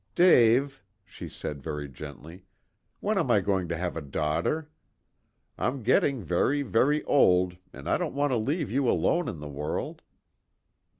"Dave," she said very gently, "when am I going to have a daughter? I'm getting very, very old, and I don't want to leave you alone in the world."